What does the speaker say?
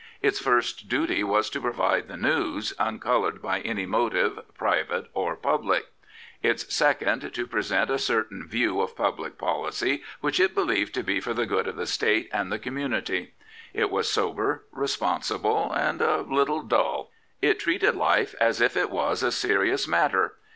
Its first duty was to provide the news, uncoloured by any motive, private or public; its second to present a certain view of public policy which it believed to be for the good of the State and the conununity. It was sober, responsible, and a little dull. It treated life as if it was a serious matter.